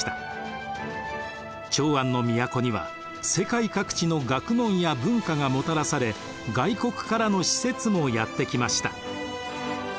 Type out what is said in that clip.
長安の都には世界各地の学問や文化がもたらされ外国からの使節もやって来ました。